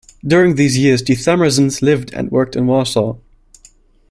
During these years the Themersons lived and worked in Warsaw.